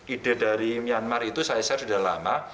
ide dari myanmar itu saya share sudah lama